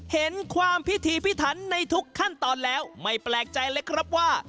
เห็นความพิธีพิถันในทุกขั้นตอนแล้วไม่แปลกใจเลยครับว่า